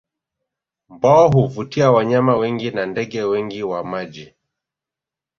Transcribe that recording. Bwawa huvutia wanyama wengi na ndege wengi wa maji